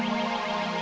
tak tau lah